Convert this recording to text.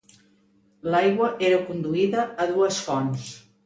L'aigua era conduïda a dues fonts.